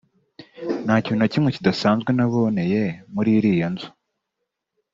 “Nta kintu na kimwe kidasanzwe naboneye muri iriya nzu